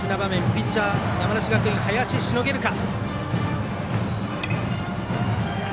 ピッチャー、山梨学院林、しのげるか。